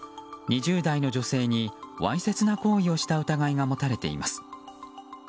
２０代の女性にわいせつな行為をした疑いが持たれています。